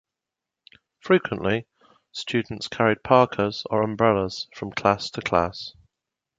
Frequently, students carried parkas or umbrellas from class to class.